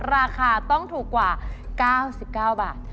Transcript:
ราคาต้องถูกกว่า๙๙บาท